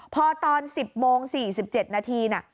พอตอน๑๐โมง๔๗นาที